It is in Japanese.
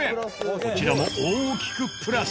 こちらも大きくプラス。